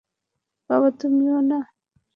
বাবা তুমিও না।